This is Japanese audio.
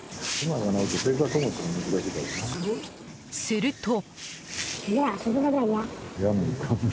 すると。